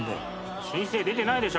申請出てないでしょ。